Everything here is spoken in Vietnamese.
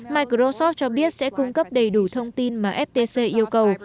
microsoft cho biết sẽ cung cấp đầy đủ thông tin mà ftc yêu cầu